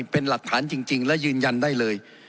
เป็นหลักฐานจริงและยืนยันได้เลย